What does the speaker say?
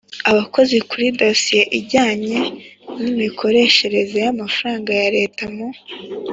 abakozi Kuri dosiye ijyanye n imikoreshereze y amafaranga ya Leta mu